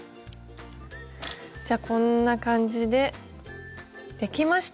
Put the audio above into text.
じゃこんな感じでできました！